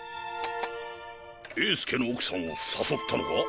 英介の奥さんを誘ったのか？